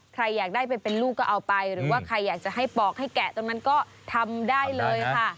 ใครอยากได้ไปเป็นลูกก็เอาไปหรือว่าใครอยากจะให้ปอกให้แกะตรงนั้นก็ทำได้เลยค่ะ